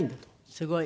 すごい。